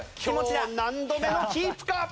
今日何度目のキープか？